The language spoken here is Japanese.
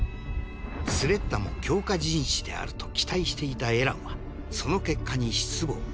スレッタも強化人士であると期待していたエランはその結果に失望